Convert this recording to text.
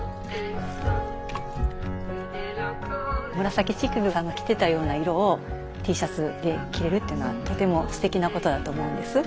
紫式部が着てたような色をＴシャツで着れるっていうのはとてもすてきなことだと思うんです。